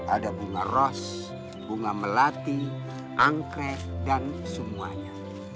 ada bunga ros bunga melati angkre dan semuanya